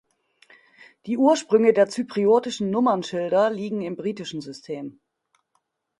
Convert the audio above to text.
Die Ursprünge der zypriotischen Nummernschilder liegen im britischen System.